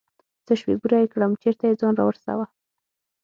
څه سوې بوره يې كړم چېرته يې ځان راورسوه.